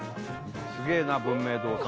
すげえな文明堂さん